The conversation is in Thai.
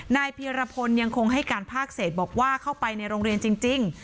เพียรพลยังคงให้การภาคเศษบอกว่าเข้าไปในโรงเรียนจริง